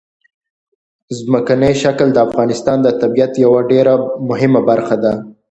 ځمکنی شکل د افغانستان د طبیعت یوه ډېره مهمه برخه ده.